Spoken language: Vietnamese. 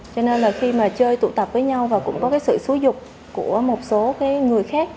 cho nên là khi mà chơi tụ tập với nhau và cũng có cái sự xúi dục của một số người khác